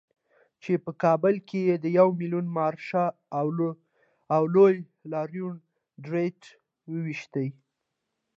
چې په کابل کې یې د يو ميليوني مارش او لوی لاريون ډرتې وويشتې.